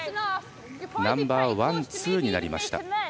ナンバーワン、ツーになりました。